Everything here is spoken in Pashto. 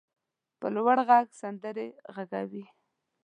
په لوړ غږ سندرې غږوي.